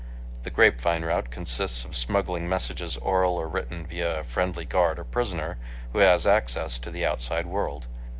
The grape vine route consists of smuggling messages oral or written via a friendly guard or prisoner who has access to the outside world.